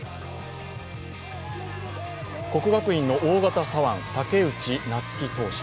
国学院の大型左腕・武内夏暉投手。